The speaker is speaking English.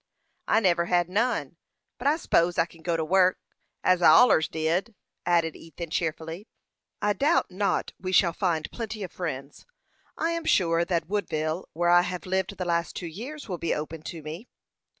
"I never had none; but I s'pose I kin go to work, as I allers did," added Ethan, cheerfully. "I doubt not we shall find plenty of friends. I am sure that Woodville, where I have lived the last two years, will be open to me."